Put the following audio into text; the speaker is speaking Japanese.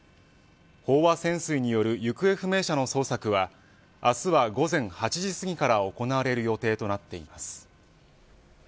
飽和潜水による行方不明者の捜索は明日は午前８時すぎから行われる予定となっています。